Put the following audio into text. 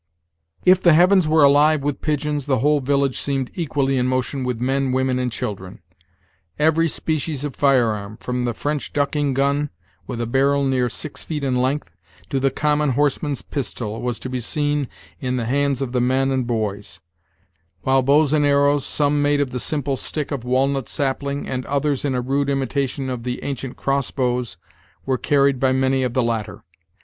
If the heavens were alive with pigeons, the whole village seemed equally in motion with men, women, and children. Every species of firearm, from the French ducking gun, with a barrel near six feet in length, to the common horseman's pistol, was to be seen in the hands of the men and boys; while bows and arrows, some made of the simple stick of walnut sapling and others in a rude imitation of the ancient cross bows, were carried by many of the latter.